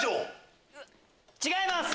違います！